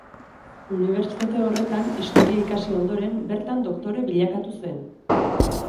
Unibertsitate horretan historia ikasi ondoren, bertan doktore bilakatu zen.